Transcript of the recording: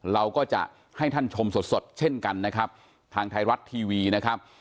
เราก็จะให้ท่านชมสดสดเช่นกันนะครับทางไทยรัฐทีวีนะครับ